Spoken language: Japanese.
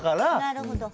なるほど。